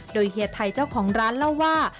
โดยเฮียไทยเจ้าของร้านเล่าว่า